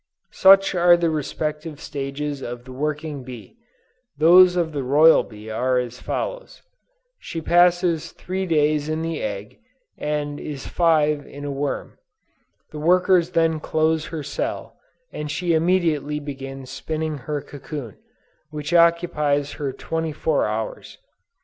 "Such are the respective stages of the working bee: those of the royal bee are as follows: she passes three days in the egg and is five a worm; the workers then close her cell, and she immediately begins spinning her cocoon, which occupies her twenty four hours.